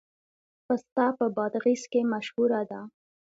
پسته په بادغیس کې مشهوره ده